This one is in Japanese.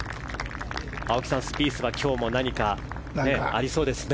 青木さん、スピースは今日も何かありそうですね。